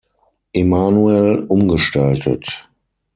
Emanuel umgestaltet.